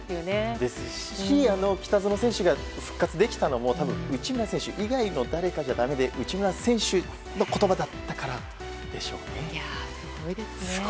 ですし、北園選手が復活できたのも内村選手以外の誰かじゃだめで内村選手の言葉だったからでしょうね。